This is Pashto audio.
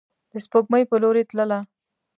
د سپوږمۍ په لوري تلله